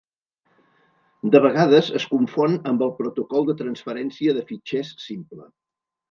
De vegades es confon amb el protocol de transferència de fitxers simple.